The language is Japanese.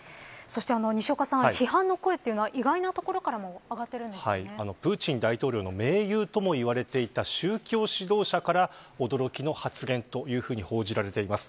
西岡さん、批判の声というのは意外なところからプーチン大統領の盟友ともいわれていた宗教指導者から驚きの発言というふうに報じられています。